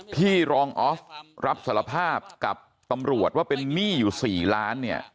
ที่รองออฟรับสารภาพกับตำรวจว่าเป็นหนี้อยู่๔ล้านเนี่ย